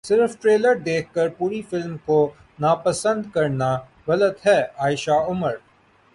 صرف ٹریلر دیکھ کر پوری فلم کو ناپسند کرنا غلط ہے عائشہ عمر